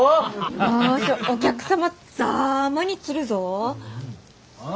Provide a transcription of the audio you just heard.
よしお客様ざぁまに釣るぞぉ！